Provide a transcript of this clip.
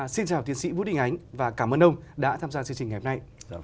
xin chào tiến sĩ vũ đình ánh và cảm ơn ông đã tham gia chương trình ngày hôm nay